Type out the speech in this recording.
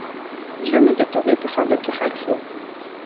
زړه مې د توبې په خاوره کې ښخ شو.